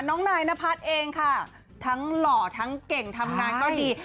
นายนพัฒน์เองค่ะทั้งหล่อทั้งเก่งทำงานก็ดี